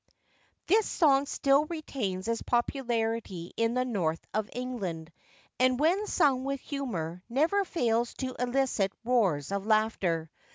[THIS song still retains its popularity in the North of England, and, when sung with humour, never fails to elicit roars of laughter.